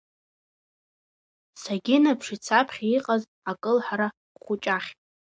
Сагьынаԥшит саԥхьа иҟаз акылҳара хәыҷахь…